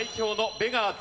ベガーズ！